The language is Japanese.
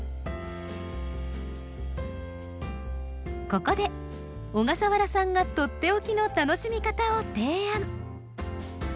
ここで小笠原さんがとっておきの楽しみ方を提案。